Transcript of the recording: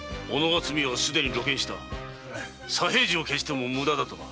左平次を消しても無駄だとな。